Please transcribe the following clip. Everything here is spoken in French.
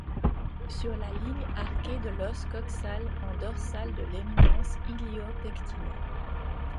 Sur la ligne arquée de l'os coxal, en dorsal de l'éminence ilio-péctinée.